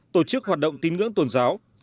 tổ chức hoạt động tín ngưỡng tôn giáo